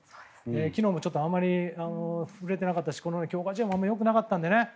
昨日もあまり振れていなかったしこの前の強化試合も良くなかったので。